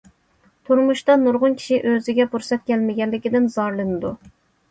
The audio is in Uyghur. تۇرمۇشتا نۇرغۇن كىشى ئۆزىگە پۇرسەت كەلمىگەنلىكىدىن زارلىنىدۇ.